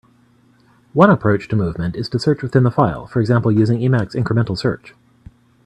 One approach to movement is to search within the file, for example using Emacs incremental search.